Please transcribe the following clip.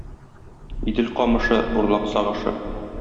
Идел камышы, бурлак сагышы.